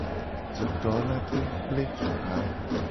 Dudo la tengu gble duga.